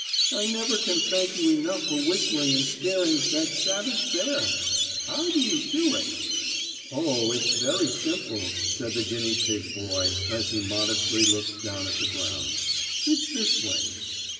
I never can thank you enough for whistling and scaring that savage bear. How do you do it?" "Oh, it is very simple," said the guinea pig boy, as he modestly looked down at the ground. "It's this way."